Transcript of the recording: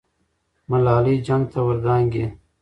ملالۍ جنګ ته ور دانګي.